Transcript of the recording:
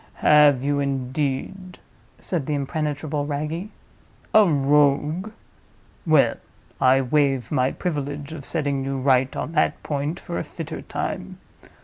"Have you, indeed?" said the impenetrable Wragge. "A Rogue? Well, I waive my privilege of setting you right on that point for a fitter time.